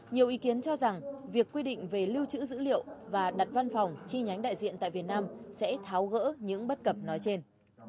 nhiều ý kiến cho rằng việc quy định về lưu trữ dữ liệu và đặt văn phòng chi nhánh đại diện tại việt nam sẽ tháo gỡ những bất cập nói trên